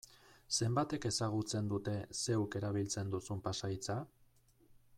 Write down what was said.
Zenbatek ezagutzen dute zeuk erabiltzen duzun pasahitza?